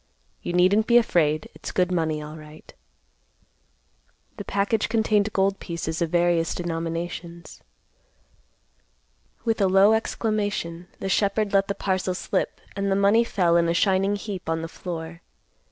You needn't be afraid. It's good money alright." The package contained gold pieces of various denominations. With a low exclamation, the shepherd let the parcel slip, and the money fell in a shining heap on the floor.